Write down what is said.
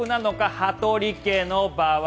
羽鳥家の場合。